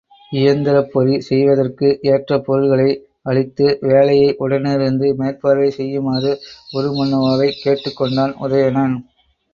இயந்திரப் பொறி செய்வதற்கு ஏற்ற பொருள்களை அளித்து, வேலையை உடனிருந்து மேற்பார்வை செய்யுமாறு உருமண்ணுவாவைக் கேட்டுக் கொண்டான் உதயணன்.